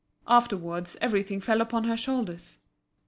Afterwards, everything fell upon her shoulders.